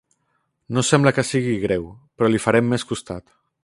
No sembla que sigui greu, però li farem més costat.